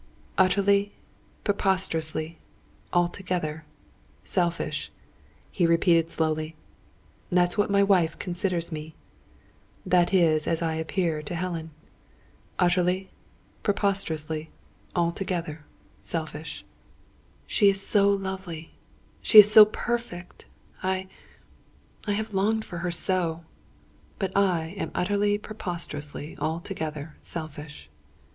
"Utterly, preposterously, altogether, selfish," he repeated slowly. "That is what my wife considers me; that is as I appear to Helen. Utterly preposterously altogether selfish. She is so lovely she is so perfect! I I have longed for her so! But I am utterly, preposterously, altogether, selfish!"